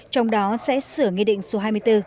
trong đó sẽ sửa nghị định số hai mươi bốn